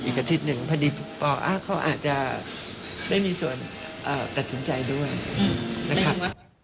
อาทิตย์หนึ่งพอดีปอเขาอาจจะได้มีส่วนตัดสินใจด้วยนะครับ